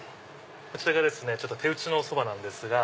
こちらが手打ちのおそばなんですが。